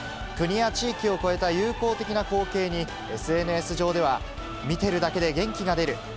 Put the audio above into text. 国や地域を越えた友好的な光景に、ＳＮＳ上では、見ているだけで元気が出る。